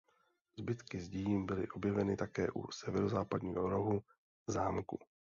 Zbytky zdí byly objeveny také u severozápadního rohu zámku.